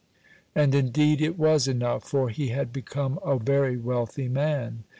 And, indeed, it was enough, for he had become a very wealthy man.